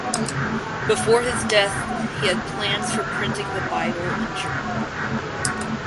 Before his death he had plans for printing the Bible in German.